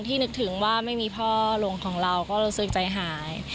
นึกถึงว่าไม่มีพ่อลงของเราก็รู้สึกใจหาย